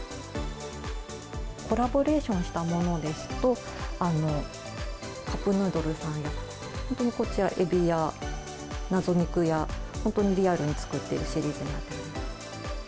コラボレーションしたものですと、カップヌードルさん、本当にこちら、エビや謎肉や、本当にリアルに作っているシリーズになっております。